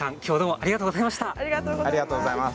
ありがとうございます。